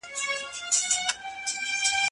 د زړه په تل کي مي زخمونه اوس په چا ووینم